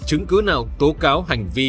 chứng cứ nào tố cáo hành vi